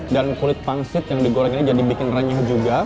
dan kulit pangsit yang digoreng ini jadi bikin renyah